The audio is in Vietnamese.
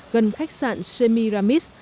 gần khách sạn semiramis